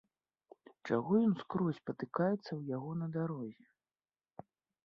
Чаго ён скрозь патыкаецца ў яго на дарозе?